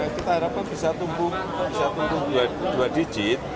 kita harapkan bisa tumbuh dua digit